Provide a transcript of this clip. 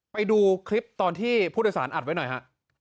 ไปดูคลิปตอนที่ผู้โดยสารอัดไว้หน่อยฮะ